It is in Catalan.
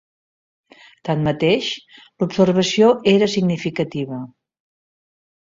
Tanmateix, l'observació era significativa.